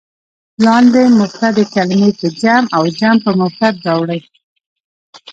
لاندې مفردې کلمې په جمع او جمع په مفرد راوړئ.